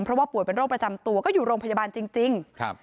เพราะว่าป่วยเป็นโรคประจำตัวก็อยู่โรงพยาบาลจริงจริงครับ